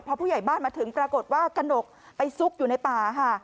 พอผู้ใหญ่บ้านมาถึงปรากฏว่ากระหนกไปซุกอยู่ในป่าค่ะ